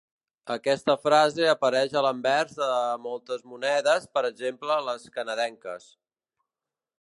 Aquesta frase apareix a l'anvers de moltes monedes, per exemple les canadenques.